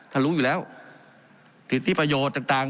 ท่านรู้อยู่แล้วคือที่ประโยชน์ต่าง